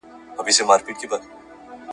آیا تعلیم یوازي د نارینه وو حق دئ؟